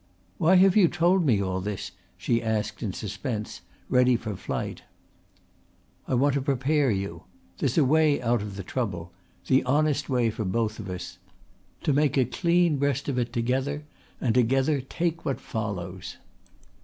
"Why have you told me all this?" she asked in suspense, ready for flight. "I want to prepare you. There's a way out of the trouble the honest way for both of us: to make a clean breast of it together and together take what follows."